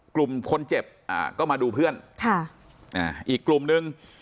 กลุ่มคนเจ็บอ่าก็มาดูเพื่อนค่ะอ่าอีกกลุ่มนึง